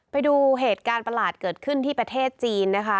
ไปดูเหตุการณ์ประหลาดเกิดขึ้นที่ประเทศจีนนะคะ